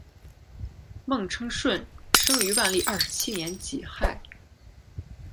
孟称舜生于万历二十七年己亥。